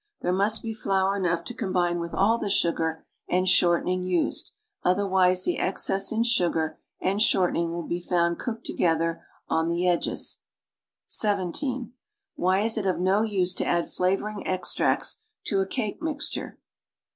There must be flour enough to combine with all the sugar and short ening used, otherwise the excess in sugar and shortening will be found cooked together on the edges. (17) Why is it of no use to add flavoring extracts to a cake mi.xture?